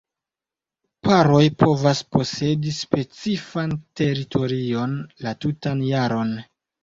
Paroj povas posedi specifan teritorion la tutan jaron.